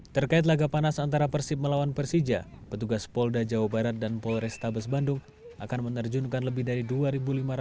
terkait laga panas antara persib melawan persija petugas polda jawa barat dan polrestabes bandung akan menerjunkan lebih dari dua lima ratus orang